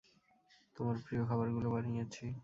তোমার প্রিয় খাবারগুলো বানিয়েছি।